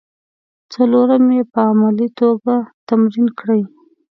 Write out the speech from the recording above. څلورم یې په عملي توګه تمرین کړئ.